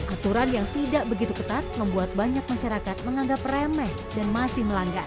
aturan yang tidak begitu ketat membuat banyak masyarakat menganggap remeh dan masih melanggar